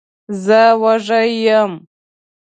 زه وږی یم.